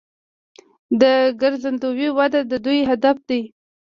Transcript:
د ګرځندوی وده د دوی هدف دی.